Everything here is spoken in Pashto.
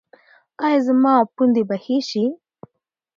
ایا زما پوندې به ښې شي؟